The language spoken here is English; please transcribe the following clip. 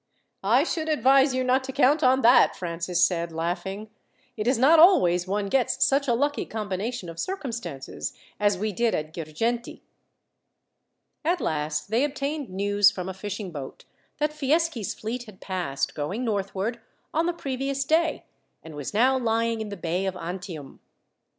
"I should advise you not to count on that," Francis said, laughing. "It is not always one gets such a lucky combination of circumstances as we did at Girgenti." At last, they obtained news from a fishing boat that Fieschi's fleet had passed, going northward, on the previous day, and was now lying in the bay of Antium.